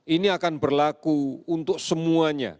ini akan berlaku untuk semuanya